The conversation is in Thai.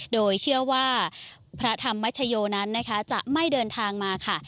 โดยเชื่อว่าพระธรรมชโยนั้นนะคะจะไม่เดินทางมาค่ะ